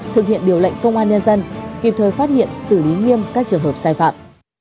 thực hiện điều lệnh công an nhân dân kịp thời phát hiện xử lý nghiêm các trường hợp sai phạm